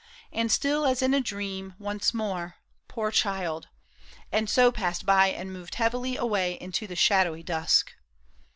" and still as in a dream, Once more, " Poor child !" and so passed by and moved Heavily away into the shadowy dusk.